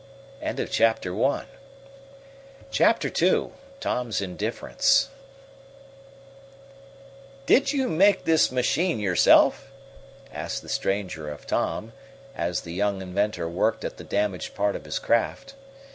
Chapter II Tom's Indifference "Did you make this machine yourself?" asked the stranger of Tom, as the young inventor worked at the damaged part of his craft.